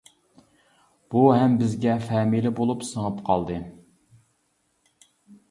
بۇ ھەم بىزگە فامىلە بولۇپ سىڭىپ قالدى.